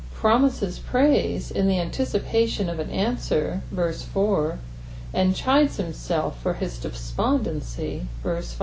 Promises praise in the onficipoiion <^ an answer, verse i, and chides hirnsdffor his despondency, verse 5.